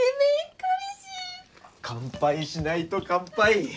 乾杯しないと乾杯！